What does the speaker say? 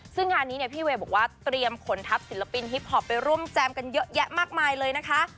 ซึ่งงานนี้เนี่ยพี่เวย์บอกว่าเตรียมขนทัพศิลปินฮิปพอปไปร่วมแจมกันเยอะแยะมากมายเลยนะคะ